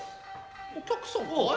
お客さんかい。